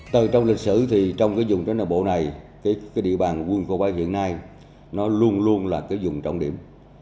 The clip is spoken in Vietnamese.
từ trong lịch sử thì trong cái vùng trang đại bộ này cái địa bàn quân khu bảy hiện nay nó luôn luôn là cái vùng trọng điểm